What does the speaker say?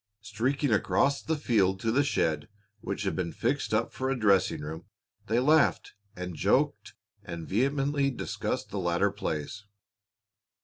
Streaking across the field to the shed which had been fixed up for a dressing room, they laughed, and joked, and vehemently discussed the latter plays.